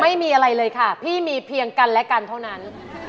ไม่มีอะไรเลยค่ะพี่มีเพียงกันและกันเท่านั้น